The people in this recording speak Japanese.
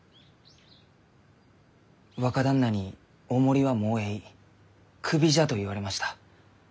若旦那に「お守りはもうえいクビじゃ」と言われました。